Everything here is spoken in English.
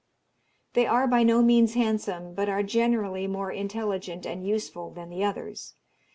They are by no means handsome, but are generally more intelligent and useful than the others.